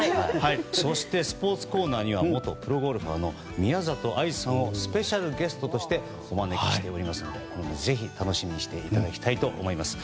そしてスポーツコーナーには元プロゴルファーの宮里藍さんをスペシャルゲストとしてお招きしておりますのでぜひ楽しみにしていただきたいと思います。